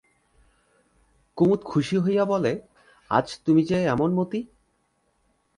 কুমুদ খুশি হইয়া বলে, আজ তুমি যে এমন মতি?